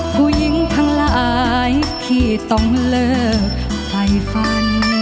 ผู้หญิงทั้งหลายที่ต้องเลิกไฟฟัน